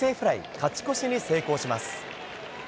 勝ち越しに成功します。